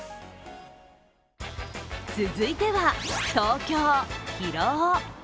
続いては東京・広尾。